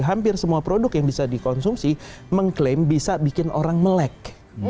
hampir semua produk yang bisa dikonsumsi mengklaim bisa bikin orang melek